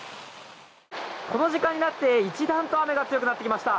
この時間になって一段と雨が強くなってきました。